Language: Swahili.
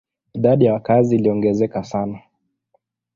Idadi ya wakazi iliongezeka sana.